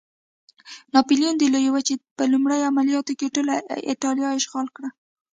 ناپلیون د لویې وچې په لومړي عملیاتو کې ټوله اېټالیا اشغال کړه.